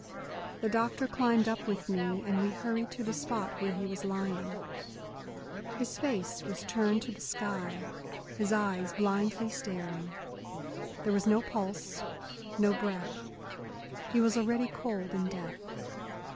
The doctor climbed up with me, and we hurried to the spot where he was lying. His face was turned to the sky, his eyes blindly staring; there was no pulse, no breath; he was already cold in death.